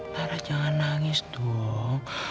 lara jangan nangis dong